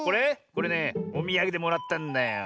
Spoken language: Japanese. これねおみやげでもらったんだよ。